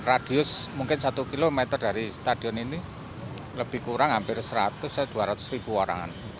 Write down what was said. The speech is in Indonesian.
radius mungkin satu kilometer dari stadion ini lebih kurang hampir seratus dua ratus ribu orang